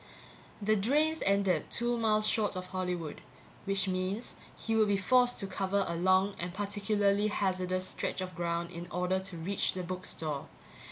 The drains ended two miles short of Hollywood which means he would be forced to cover a long and particularly hazardous stretch of ground in order to reach the book store.